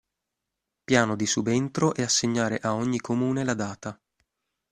Piano di subentro e assegnare a ogni Comune la data.